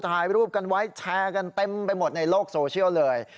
ถ่ายรูปกันไว้แชร์กันเต็มไปหมดในโลกโซเชียลเลย